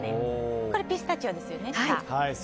これ、ピスタチオですよね。